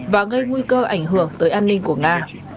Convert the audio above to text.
và gây nguy cơ ảnh hưởng tới an ninh của nga